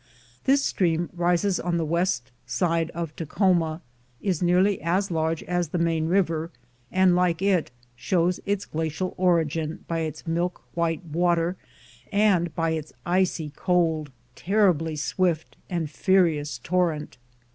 This stream rises on the west side of Takhoma, is nearly as large as the main river, and like it shows its glacial origin by its milk white water and by its icy cold, terribly swift and furious torrent.